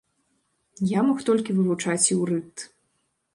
Я мог толькі вывучаць іўрыт.